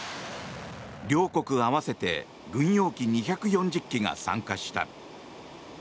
両国合わせて軍用機２４０機が参加した。